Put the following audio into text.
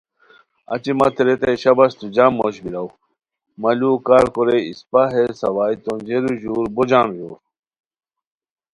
اچی متے ریتائے شاباش تو جم موش بیراؤ مہ ُلوؤ کار کورے اِسپہ ہے ساوائے تونجئیرو ژور بو جم ژور